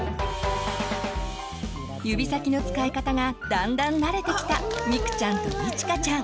指先の使い方がだんだん慣れてきたみくちゃんといちかちゃん。